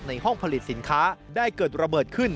ห้องผลิตสินค้าได้เกิดระเบิดขึ้น